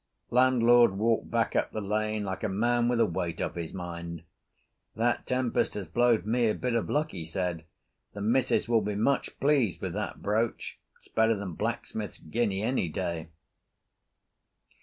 Landlord walked back up the lane like a man with a weight off his mind. "That tempest has blowed me a bit of luck," he said; "the missus will be much pleased with that brooch. It's better than blacksmith's guinea, any day."